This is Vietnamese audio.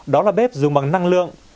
đó là bếp dùng bằng năng lượng